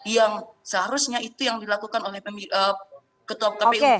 yang seharusnya itu yang dilakukan oleh ketua kpu